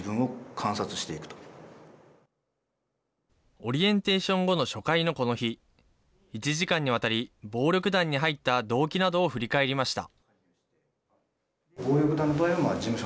オリエンテーション後の初回のこの日、１時間にわたり、暴力団に入った動機などを振り返りました。